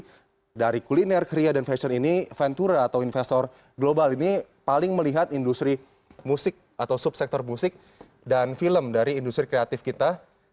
jadi dari kuliner kria dan fashion ini ventura atau investor global ini paling melihat industri musik atau subsektor musik dan film dari industri kreatif kita